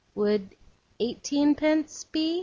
'Would eighteenpence be?